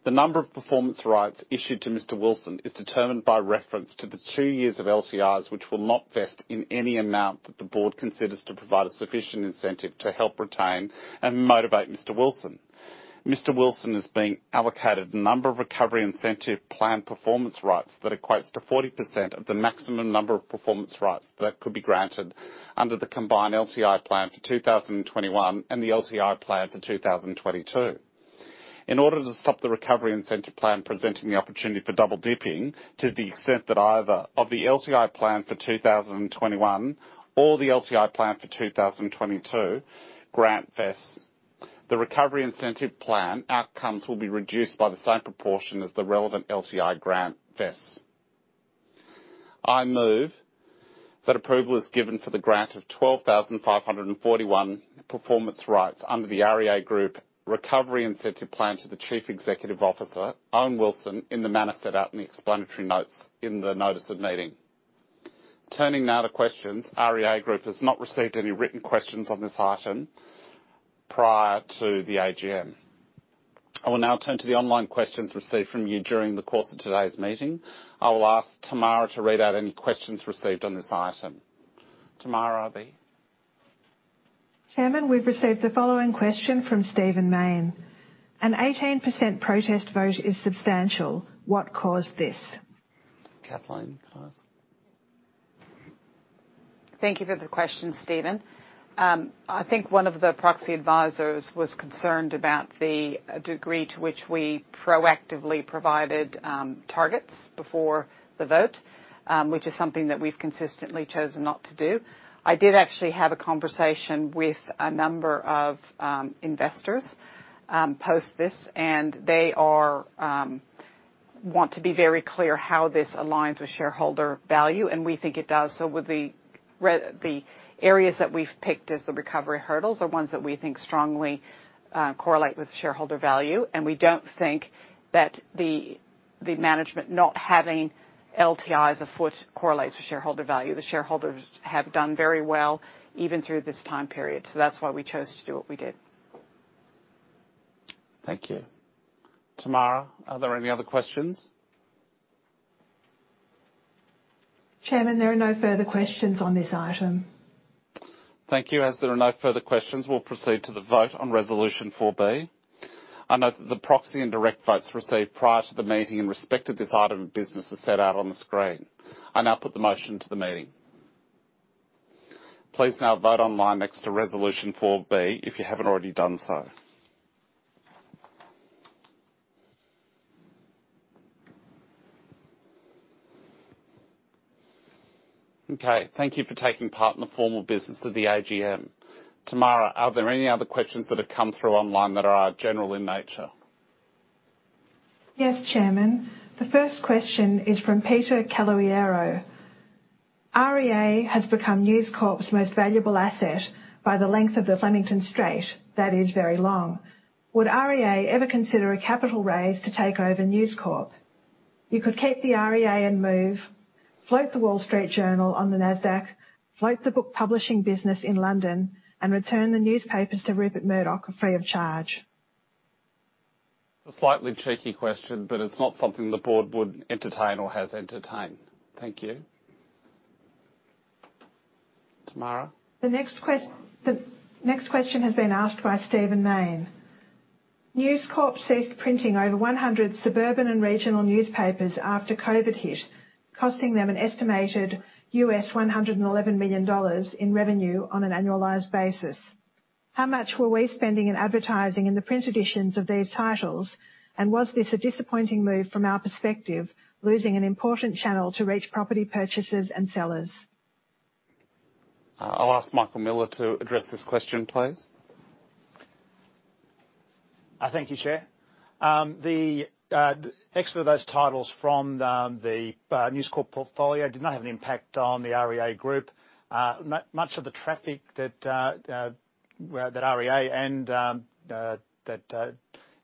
The number of performance rights issued to Mr. Wilson is determined by reference to the two years of LTIs, which will not vest in any amount that the board considers to provide a sufficient incentive to help retain and motivate Mr. Wilson. Mr. Wilson is being allocated a number of recovery incentive plan performance rights that equates to 40% of the maximum number of performance rights that could be granted under the combined LTI plan for 2021 and the LTI plan for 2022. In order to stop the recovery incentive plan presenting the opportunity for double dipping to the extent that either of the LTI plan for 2021 or the LTI plan for 2022 grant vests, the recovery incentive plan outcomes will be reduced by the same proportion as the relevant LTI grant vests. I move that approval is given for the grant of 12,541 performance rights under the REA Group recovery incentive plan to the Chief Executive Officer, Owen Wilson, in the matter set out in the explanatory notes in the notice of meeting. Turning now to questions, REA Group has not received any written questions on this item prior to the AGM. I will now turn to the online questions received from you during the course of today's meeting. I will ask Tamara to read out any questions received on this item. Tamara Obey. Chairman, we've received the following question from Stephen Main. An 18% protest vote is substantial. What caused this? Kathleen, can I ask? Thank you for the question, Stephen. I think one of the proxy advisors was concerned about the degree to which we proactively provided targets before the vote, which is something that we've consistently chosen not to do. I did actually have a conversation with a number of investors post this, and they want to be very clear how this aligns with shareholder value, and we think it does. The areas that we've picked as the recovery hurdles are ones that we think strongly correlate with shareholder value, and we don't think that the management not having LTIs afoot correlates with shareholder value. The shareholders have done very well even through this time period, so that's why we chose to do what we did. Thank you. Tamara, are there any other questions? Chairman, there are no further questions on this item. Thank you. As there are no further questions, we'll proceed to the vote on resolution four B. I note that the proxy and direct votes received prior to the meeting in respect of this item of business are set out on the screen. I now put the motion to the meeting. Please now vote online next to resolution four B if you haven't already done so. Okay. Thank you for taking part in the formal business of the AGM. Tamara, are there any other questions that have come through online that are general in nature? Yes, Chairman. The first question is from Peter Caloyero. REA has become News Corp's most valuable asset by the length of the Flemington Straight. That is very long. Would REA ever consider a capital raise to take over News Corp? You could keep the REA and Move, float the Wall Street Journal on the Nasdaq, float the book publishing business in London, and return the newspapers to Rupert Murdoch free of charge. It's a slightly tricky question, but it's not something the board would entertain or has entertained. Thank you. Tamara? The next question has been asked by Stephen Main. News Corp ceased printing over 100 suburban and regional newspapers after COVID hit, costing them an estimated $111 million in revenue on an annualized basis. How much were we spending in advertising in the print editions of these titles, and was this a disappointing move from our perspective, losing an important channel to reach property purchasers and sellers? I'll ask Michael Miller to address this question, please. Thank you, Chair. The exit of those titles from the News Corp portfolio did not have an impact on the REA Group. Much of the traffic that REA and that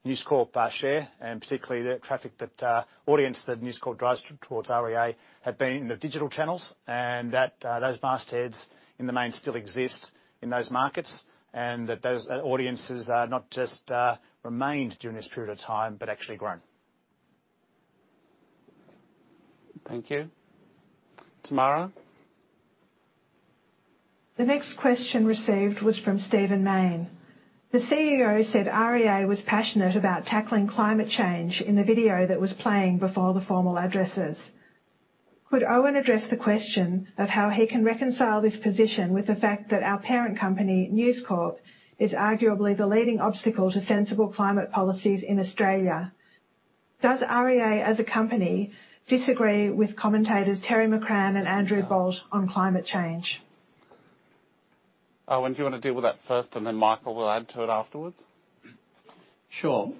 News Corp share, and particularly the traffic that audience that News Corp drives towards REA, have been in the digital channels, and that those mastheads in the main still exist in those markets, and that those audiences not just remained during this period of time, but actually grown. Thank you. Tamara? The next question received was from Stephen Main. The CEO said REA was passionate about tackling climate change in the video that was playing before the formal addresses. Could Owen address the question of how he can reconcile this position with the fact that our parent company, News Corp, is arguably the leading obstacle to sensible climate policies in Australia? Does REA as a company disagree with commentators Terry McCrann and Andrew Bolt on climate change? Owen, do you want to deal with that first, and then Michael will add to it afterwards? Sure.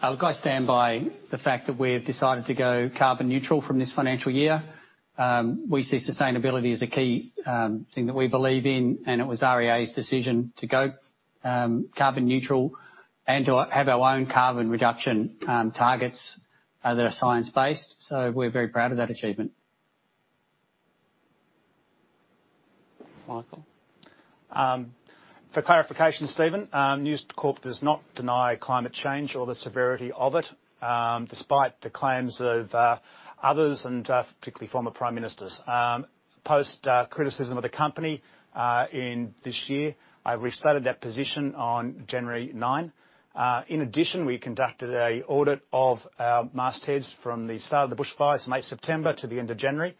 I'll go stand by the fact that we've decided to go carbon neutral from this financial year. We see sustainability as a key thing that we believe in, and it was REA's decision to go carbon neutral and to have our own carbon reduction targets that are science-based. So we're very proud of that achievement. Michael. For clarification, Stephen, News Corp does not deny climate change or the severity of it, despite the claims of others and particularly former prime ministers. Post-criticism of the company in this year, I restated that position on January 9. In addition, we conducted an audit of our mastheads from the start of the bushfires in late September to the end of January.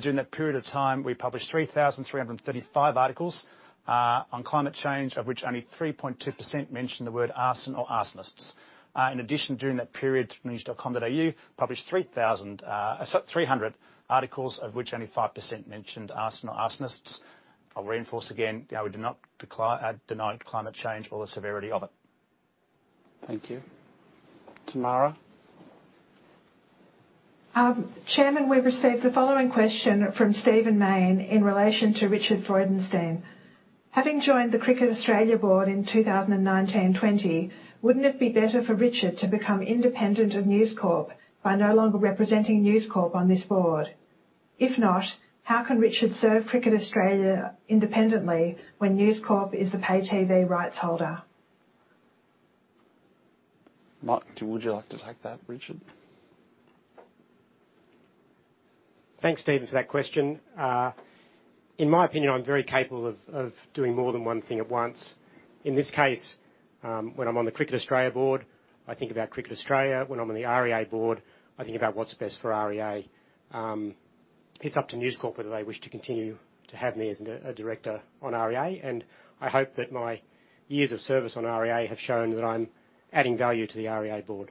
During that period of time, we published 3,335 articles on climate change, of which only 3.2% mentioned the word arson or arsonists. In addition, during that period, news.com.au published 300 articles, of which only 5% mentioned arson or arsonists. I'll reinforce again that we did not deny climate change or the severity of it. Thank you. Tamara? Chairman, we've received the following question from Stephen Main in relation to Richard Freudenstein. Having joined the Cricket Australia board in 2019-2020, wouldn't it be better for Richard to become independent of News Corp by no longer representing News Corp on this board? If not, how can Richard serve Cricket Australia independently when News Corp is the pay-TV rights holder? Mike, would you like to take that, Richard? Thanks, Stephen, for that question. In my opinion, I'm very capable of doing more than one thing at once. In this case, when I'm on the Cricket Australia board, I think about Cricket Australia. When I'm on the REA board, I think about what's best for REA. It's up to News Corp whether they wish to continue to have me as a director on REA, and I hope that my years of service on REA have shown that I'm adding value to the REA board.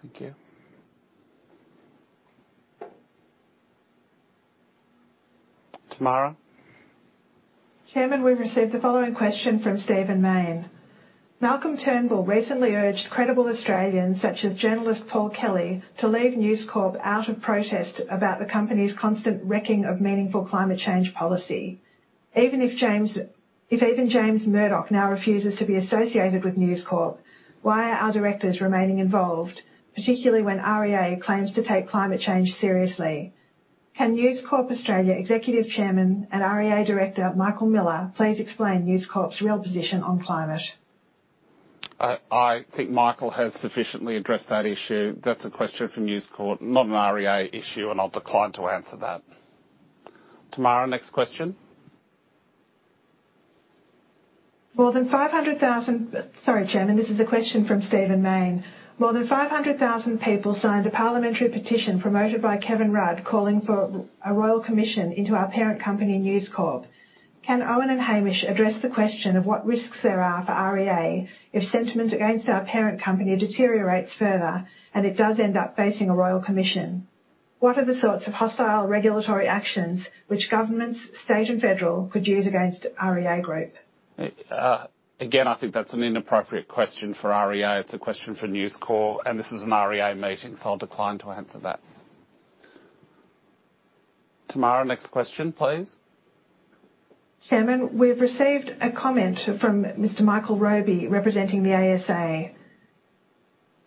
Thank you. Tamara? Chairman, we've received the following question from Stephen Main. Malcolm Turnbull recently urged credible Australians such as journalist Paul Kelly to leave News Corp out of protest about the company's constant wrecking of meaningful climate change policy. Even if James Murdoch now refuses to be associated with News Corp, why are our directors remaining involved, particularly when REA claims to take climate change seriously? Can News Corp Australia Executive Chairman and REA Director Michael Miller please explain News Corp's real position on climate? I think Michael has sufficiently addressed that issue. That's a question from News Corp, not an REA issue, and I'll decline to answer that. Tamara, next question. More than 500,000—sorry, Chairman, this is a question from Stephen Main. More than 500,000 people signed a parliamentary petition promoted by Kevin Rudd calling for a royal commission into our parent company, News Corp. Can Owen and Hamish address the question of what risks there are for REA if sentiment against our parent company deteriorates further and it does end up facing a royal commission? What are the sorts of hostile regulatory actions which governments, state and federal, could use against REA Group? Again, I think that's an inappropriate question for REA. It's a question for News Corp, and this is an REA meeting, so I'll decline to answer that. Tamara, next question, please. Chairman, we've received a comment from Mr. Michael Robie representing the ASA.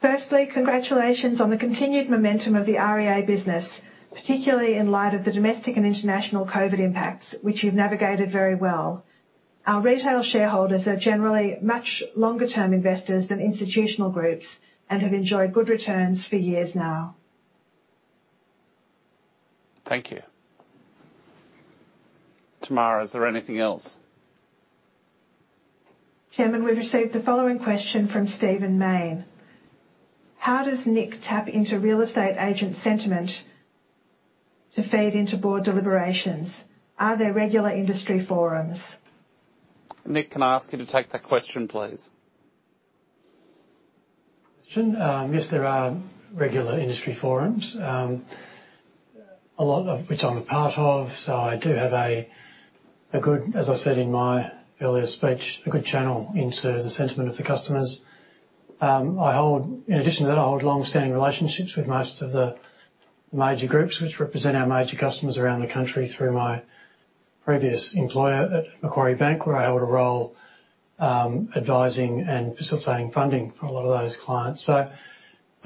Firstly, congratulations on the continued momentum of the REA business, particularly in light of the domestic and international COVID impacts, which you've navigated very well. Our retail shareholders are generally much longer-term investors than institutional groups and have enjoyed good returns for years now. Thank you. Tamara, is there anything else? Chairman, we've received the following question from Stephen Main. How does Nick tap into real estate agent sentiment to feed into board deliberations? Are there regular industry forums? Nick, can I ask you to take that question, please? Yes, there are regular industry forums, a lot of which I'm a part of, so I do have a good, as I said in my earlier speech, a good channel into the sentiment of the customers. In addition to that, I hold long-standing relationships with most of the major groups which represent our major customers around the country through my previous employer at Macquarie Bank, where I held a role advising and facilitating funding for a lot of those clients. I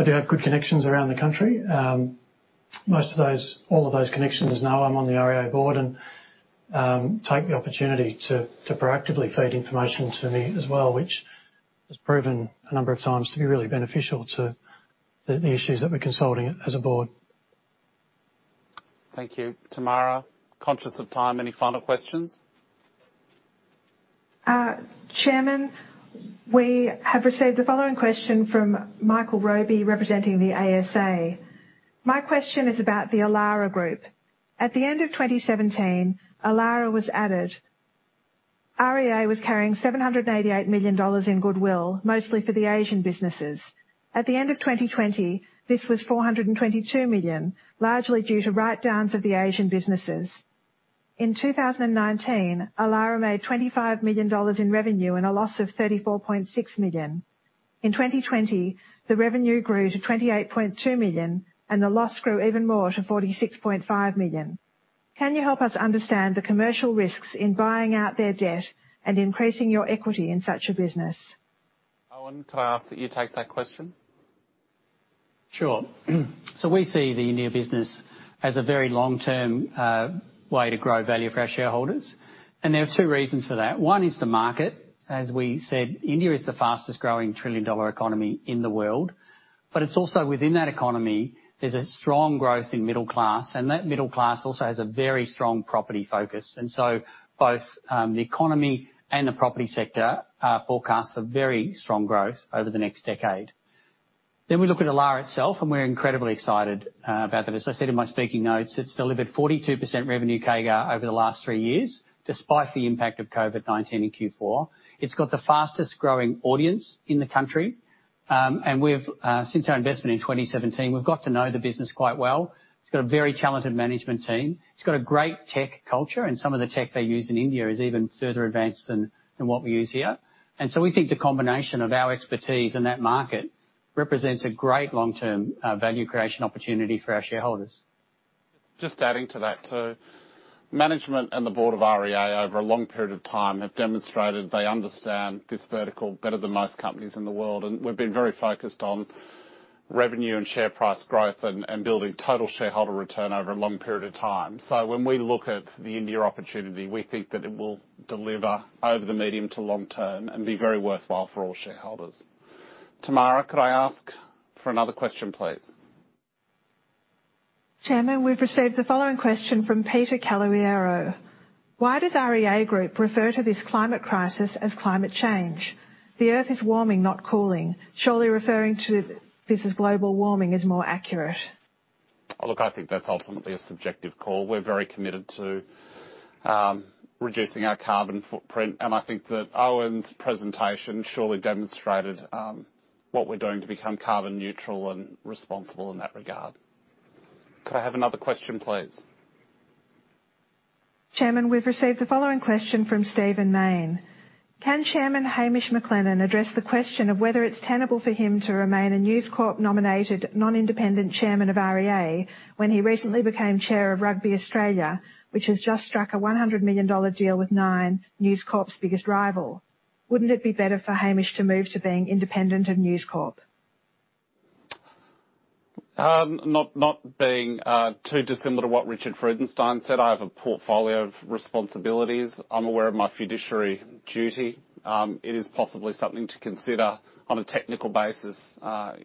do have good connections around the country. All of those connections know I'm on the REA board and take the opportunity to proactively feed information to me as well, which has proven a number of times to be really beneficial to the issues that we're consulting as a board. Thank you. Tamara, conscious of time, any final questions? Chairman, we have received the following question from Michael Robie representing the ASA. My question is about the Elara Group. At the end of 2017, Elara was added. REA was carrying 788 million dollars in goodwill, mostly for the Asian businesses. At the end of 2020, this was 422 million, largely due to write-downs of the Asian businesses. In 2019, Elara made 25 million dollars in revenue and a loss of 34.6 million. In 2020, the revenue grew to 28.2 million, and the loss grew even more to 46.5 million. Can you help us understand the commercial risks in buying out their debt and increasing your equity in such a business? Owen, can I ask that you take that question? Sure. We see the India business as a very long-term way to grow value for our shareholders, and there are two reasons for that. One is the market. As we said, India is the fastest-growing trillion-dollar economy in the world, but also within that economy there is a strong growth in middle class, and that middle class also has a very strong property focus. Both the economy and the property sector are forecast for very strong growth over the next decade. We look at Elara itself, and we are incredibly excited about that. As I said in my speaking notes, it has delivered 42% revenue CAGR over the last three years, despite the impact of COVID-19 in Q4. It has the fastest-growing audience in the country, and since our investment in 2017, we have got to know the business quite well. It has a very talented management team. It's got a great tech culture, and some of the tech they use in India is even further advanced than what we use here. We think the combination of our expertise and that market represents a great long-term value creation opportunity for our shareholders. Just adding to that, management and the board of REA over a long period of time have demonstrated they understand this vertical better than most companies in the world, and we've been very focused on revenue and share price growth and building total shareholder return over a long period of time. When we look at the India opportunity, we think that it will deliver over the medium to long term and be very worthwhile for all shareholders. Tamara, could I ask for another question, please? Chairman, we've received the following question from Peter Caloyero. Why does REA Group refer to this climate crisis as climate change? The earth is warming, not cooling. Surely referring to this as global warming is more accurate. Look, I think that's ultimately a subjective call. We're very committed to reducing our carbon footprint, and I think that Owen's presentation surely demonstrated what we're doing to become carbon neutral and responsible in that regard. Could I have another question, please? Chairman, we've received the following question from Stephen Main. Can Chairman Hamish McLennan address the question of whether it's tenable for him to remain a News Corp-nominated non-independent chairman of REA when he recently became chair of Rugby Australia, which has just struck a 100 million dollar deal with Nine, News Corp's biggest rival? Wouldn't it be better for Hamish to move to being independent of News Corp? Not being too dissimilar to what Richard Freudenstein said, I have a portfolio of responsibilities. I'm aware of my fiduciary duty. It is possibly something to consider on a technical basis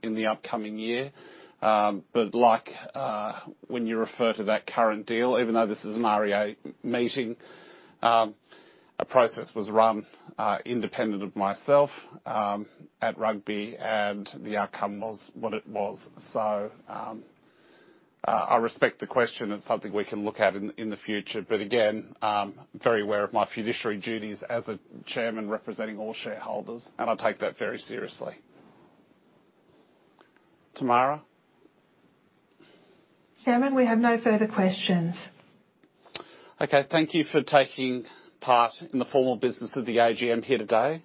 in the upcoming year. Like when you refer to that current deal, even though this is an REA meeting, a process was run independent of myself at Rugby, and the outcome was what it was. I respect the question. It's something we can look at in the future. Again, I'm very aware of my fiduciary duties as a Chairman representing all shareholders, and I take that very seriously. Tamara? Chairman, we have no further questions. Okay. Thank you for taking part in the formal business of the AGM here today.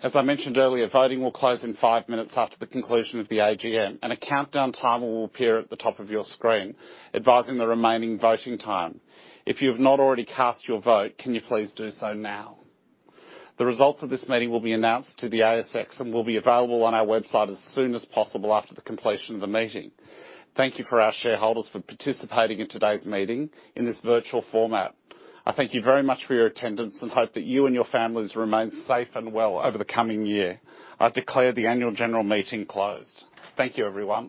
As I mentioned earlier, voting will close in five minutes after the conclusion of the AGM, and a countdown timer will appear at the top of your screen advising the remaining voting time. If you have not already cast your vote, can you please do so now? The results of this meeting will be announced to the ASX and will be available on our website as soon as possible after the completion of the meeting. Thank you to our shareholders for participating in today's meeting in this virtual format. I thank you very much for your attendance and hope that you and your families remain safe and well over the coming year. I declare the annual general meeting closed. Thank you, everyone.